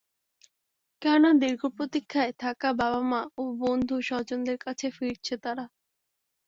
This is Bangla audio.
কেননা দীর্ঘ প্রতীক্ষায় থাকা বাবা মা ও বন্ধু স্বজনদের কাছে ফিরছে তারা।